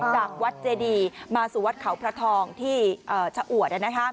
จากวัดเจดีมาสู่วัดเขาพระทองที่ชะอวด